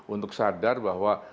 untuk sadar bahwa